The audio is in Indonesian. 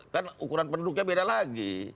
kan ukuran penduduknya beda lagi